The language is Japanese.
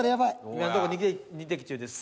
今のところ２的中です。